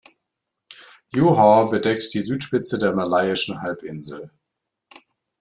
Johor bedeckt die Südspitze der Malaiischen Halbinsel.